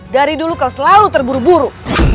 dari dulu kau selalu terburu buru